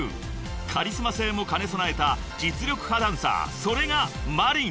［カリスマ性も兼ね備えた実力派ダンサーそれがＭＡＲＩＮ］